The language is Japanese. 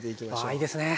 わあいいですね。